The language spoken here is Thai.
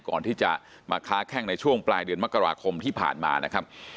ก่อนที่จะมาค้าแข้งในช่วงปลายเดือนมกราคมที่ผ่านมานะครับ